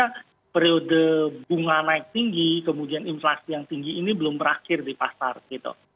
karena periode bunga naik tinggi kemudian inflasi yang tinggi ini belum berakhir di pasar gitu